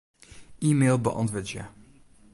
E-mail beäntwurdzje.